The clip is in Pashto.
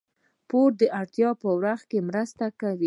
پور د اړتیا په وخت کې مرسته کوي.